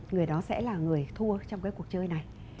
người đó sẽ là người thua trong cái cuộc chơi này